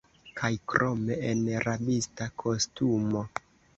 Kaj krome, en rabista kostumo!